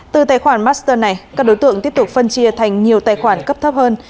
từ tài khoản master này các đối tượng tiếp tục phân chia thành nhiều tài khoản cấp thấp hơn